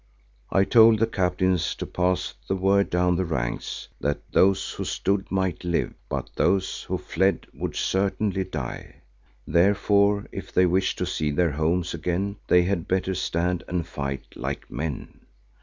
I told the captains to pass the word down the ranks that those who stood might live, but those who fled would certainly die. Therefore if they wished to see their homes again they had better stand and fight like men.